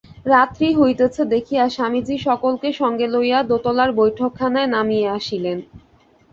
রাত্রি হইতেছে দেখিয়া স্বামীজী সকলকে সঙ্গে লইয়া দোতলার বৈঠকখানায় নামিয়ে আসিলেন।